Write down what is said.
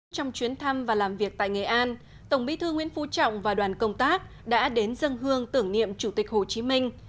trong chuyến thăm và làm việc tại nghệ an tổng bí thư nguyễn phú trọng và đoàn công tác đã đến dân hương tưởng niệm chủ tịch hồ chí minh